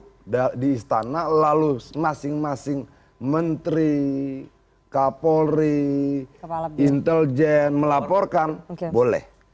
kalau dia cuma duduk di istana lalu masing masing menteri kapolri inteljen melaporkan boleh